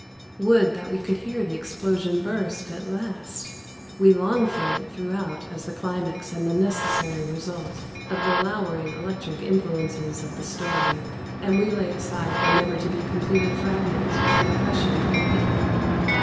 Would that we could hear the explosion burst at last! We long for it throughout as the climax and the necessary result of the lowering electric influences of the story, and we lay aside the never to be completed fragment with the oppression of a nightmare.